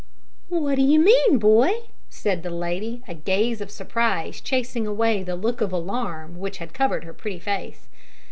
"What do you mean, boy?" said the lady, a gaze of surprise chasing away the look of alarm which had covered her pretty face.